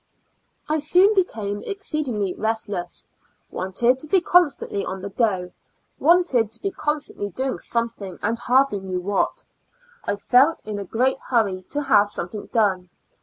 I soon became exceedingly restless ; IN A L UNA TIC ASYLU3L 15 wanted to be constantly on the go ; wanted to be constantly doing something, and hardly knew what. I felt in a great hurry to have something done.